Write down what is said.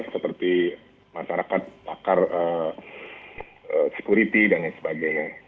seperti masyarakat pakar security dan lain sebagainya